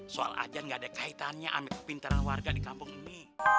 soal aja gak ada kaitannya sama kepintaran warga di kampung ini